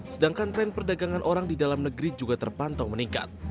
sedangkan tren perdagangan orang di dalam negeri juga terpantau meningkat